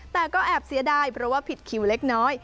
แต่ก็แอบเสียดายเพราะว่าผิดคิวเล็กน้อย